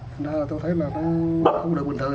thành ra là tôi thấy là tôi không được bình thường